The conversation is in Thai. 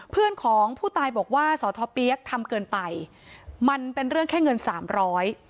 เพื่อนของผู้ตายบอกว่าสอทอเปี๊ยกทำเกินไปมันเป็นเรื่องแค่เงินสามร้อย